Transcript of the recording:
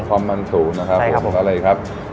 ความมันสูงนะครับ